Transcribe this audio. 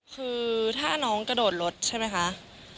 คือถ้าน้องกระโดดรถใช่ไหมคะ